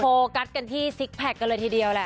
โฟกัสกันที่ซิกแพคกันเลยทีเดียวแหละ